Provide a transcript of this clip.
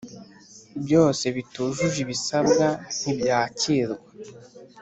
Byose bitujuje ibisabwa ntibyakirwa